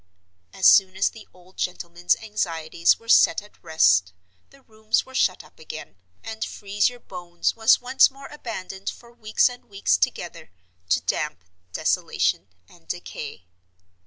As soon as the old gentleman's anxieties were set at rest the rooms were shut up again, and "Freeze your Bones" was once more abandoned for weeks and weeks together to damp, desolation, and decay.